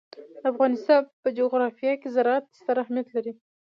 د افغانستان په جغرافیه کې زراعت ستر اهمیت لري.